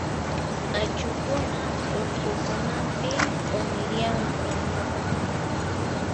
Q'achukuna urqukunapi q'umirianku.